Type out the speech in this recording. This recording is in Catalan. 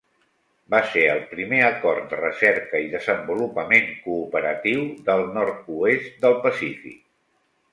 Va ser el primer acord de recerca i desenvolupament cooperatiu del nord-oest del Pacífic.